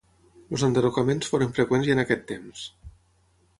Els enderrocaments foren freqüents ja en aquest temps.